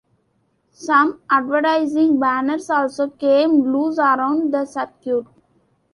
Some advertising banners also came loose around the circuit.